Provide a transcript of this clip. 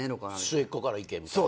末っ子からいけみたいな。